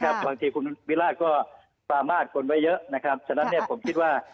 บางทีคุณวิราชก็ปลามาสคนไว้เยอะฉะนั้นผมคิดว่า